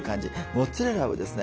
モッツァレラをですね